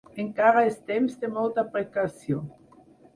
Encara és temps de molta precaució.